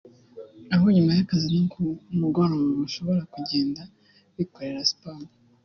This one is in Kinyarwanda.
aho nyuma y’akazi no ku mugoroba bashobora kugenda bikorera siporo